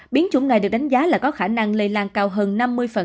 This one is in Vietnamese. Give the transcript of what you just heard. biến chủng này được đánh giá là có khả năng lây lan cao hơn năm mươi